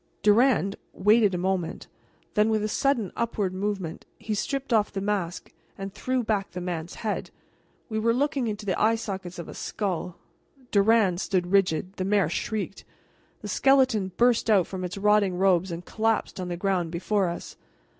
Durand waited a moment, then with a sudden upward movement he stripped off the mask and threw back the man's head. We were looking into the eye sockets of a skull. Durand stood rigid; the mayor shrieked. The skeleton burst out from its rotting robes and collapsed on the ground before us.